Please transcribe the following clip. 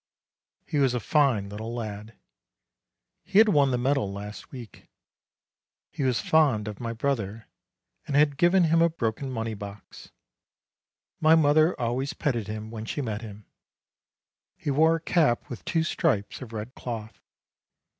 He was a fine little lad. He had won the medal last week. He was fond of my brother, and had given him a broken money box. My mother always petted him when she met him. He wore a cap with two stripes of red cloth.